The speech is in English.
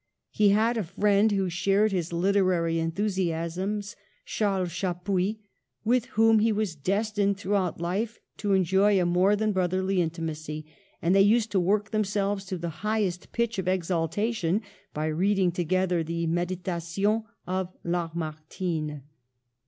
He had a friend who shared his literary enthusiasms, Charles Chappuis, with whom he was destined throughout life to enjoy a more than brotherly intimacy, and they used to work themselves to the highest pitch of ex altation by reading together the Meditations of Lamartine.